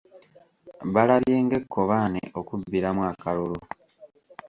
Balabye ng'ekkobaane okubbiramu akalulu.